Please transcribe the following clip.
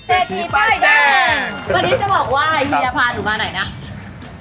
วันนี้จะบอกว่าเฮียพาหนูมาหน่อยนะ